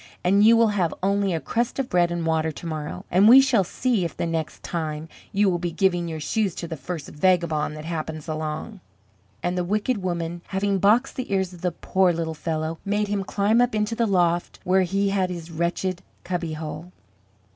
And you will have only a crust of bread and water to morrow. And we shall see if the next time, you will be giving your shoes to the first vagabond that happens along." And the wicked woman having boxed the ears of the poor little fellow, made him climb up into the loft where he had his wretched cubbyhole.